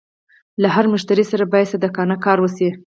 له هر مشتري سره باید صادقانه کار وشي.